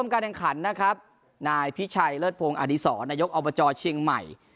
การแข่งขันนะครับนายพิชัยเลิศพงศ์อดีศรนายกอบจเชียงใหม่